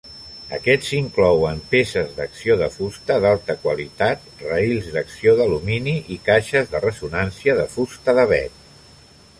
Aquests inclouen peces d'acció de fusta d'alta qualitat, rails d'acció d'alumini i caixes de ressonància de fusta d"avet.